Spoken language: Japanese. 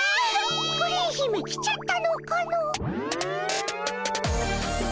プリン姫来ちゃったのかの。